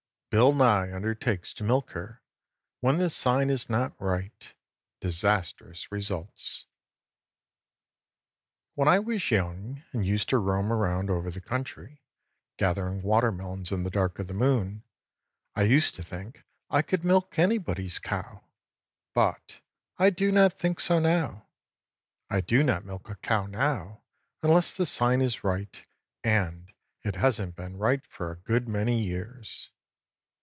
BILL NYE UNDERTAKES TO MILK HER WHEN THE SIGN IS NOT RIGHT DISASTROUS RESULTS. When I was young and used to roam around over the country, gathering water melons in the dark of the moon, I used to think I could milk anybody's cow, but I do not think so now. I do not milk a cow now unless the sign is right, and it hasn't been right for a good many years.